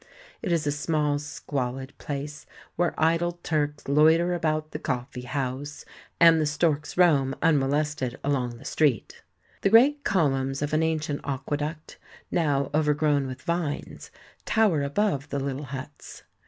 It is a small squalid place, where idle Turks loiter about the coffee house, and the storks roam un molested along the street. The great columns of an ancient aqueduct, now overgrown with vines, tower above the little huts.